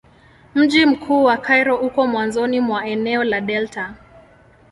Mji mkuu wa Kairo uko mwanzoni mwa eneo la delta.